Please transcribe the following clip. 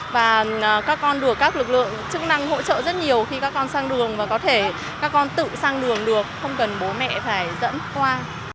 và các con được các lực lượng chức năng hỗ trợ rất nhiều khi các con sang đường và có thể các con tự sang đường được không cần bố mẹ phải dẫn qua